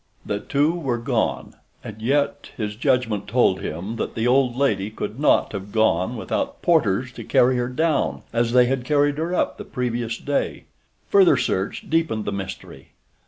The two were gone, and yet his judgment told him that the old lady could not have gone without porters to carry her down as they had carried her up the previous day. Further search deepened the mystery.